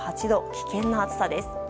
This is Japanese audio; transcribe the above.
危険な暑さです。